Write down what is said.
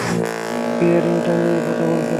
বিয়ের রিংটা নিয়ে কথা বলছিলাম।